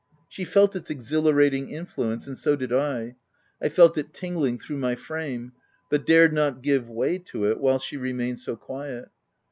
She felt its exhilarating influence, and so did I — I felt it tingling through my frame, but dared not give way to it while she remained so, quiet.